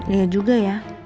iya juga ya